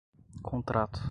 contrato